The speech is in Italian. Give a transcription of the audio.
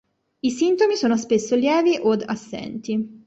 I sintomi sono spesso lievi od assenti.